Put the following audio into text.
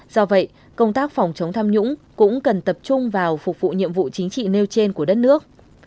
do vậy công tác phòng chống tham nhũng cũng cần tập trung vào phục vụ nhiệm vụ chính trị nêu trên của đất nước